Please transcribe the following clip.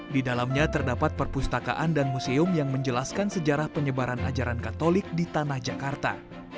di dalamnya terdapat perpustakaan dan museum yang menjelaskan sejarah penyebaran ajaran katolik di tanah jakarta